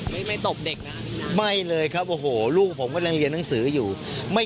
คุณไม่ตบเด็กนะครับอี